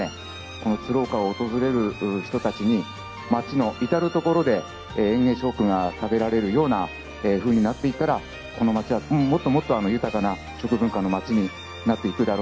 この鶴岡を訪れる人たちに町の至る所で嚥下食が食べられるようなふうになっていったらこの町はもっともっと豊かな食文化の町になっていくだろうなって